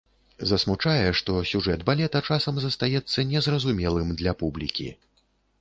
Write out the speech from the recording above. Засмучае, што сюжэт балета часам застаецца незразумелым для публікі.